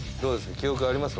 記憶ありますか？